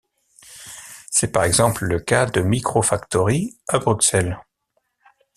C'est par exemple le cas de MicroFactory, à Bruxelles.